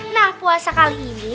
nah puasa kali ini